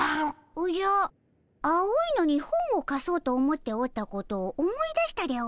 おじゃ青いのに本をかそうと思っておったことを思い出したでおじゃる。